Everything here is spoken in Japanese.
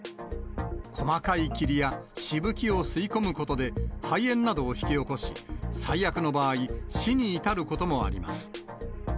細かい霧やしぶきを吸い込むことで、肺炎などを引き起こし、最悪の場合、死に至ることもあります。